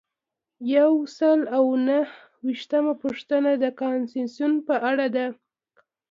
یو سل او نهه ویشتمه پوښتنه د کنوانسیون په اړه ده.